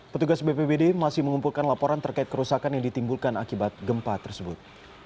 petugas bpbd masih mengumpulkan laporan terkait kerusakan yang ditimbulkan akibat gempa tersebut